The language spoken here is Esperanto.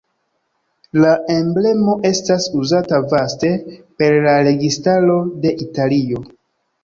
La emblemo estas uzata vaste per la registaro de Italio.